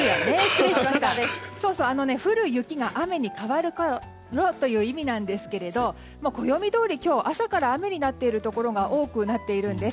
降る雪が雨に変わるころという意味なんですけども暦どおり、今日は朝から雨になっているところが多くなっているんです。